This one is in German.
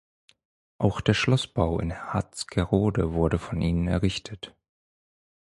Auch der Schlossbau in Harzgerode wurde von ihnen errichtet.